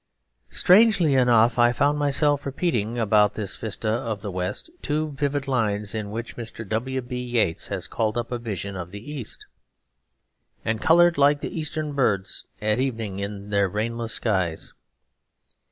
Strangely enough I found myself repeating about this vista of the West two vivid lines in which Mr. W. B. Yeats has called up a vision of the East: And coloured like the eastern birds At evening in their rainless skies.